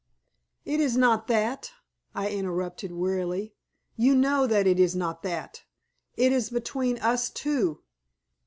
"It is not that," I interrupted, wearily. "You know that it is not that. It is between us two."